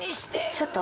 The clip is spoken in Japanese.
ちょっと。